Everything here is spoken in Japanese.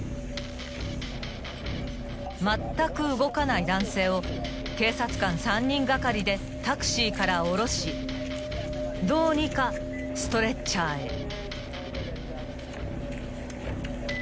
［まったく動かない男性を警察官３人がかりでタクシーから降ろしどうにかストレッチャーへ］